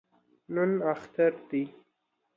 نن اختر دی